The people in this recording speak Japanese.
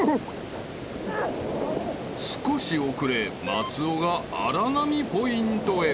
［少し遅れ松尾が荒波ポイントへ］